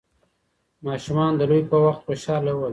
ماشومان د لوبې په وخت خوشحاله ول.